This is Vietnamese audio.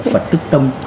phật tức tâm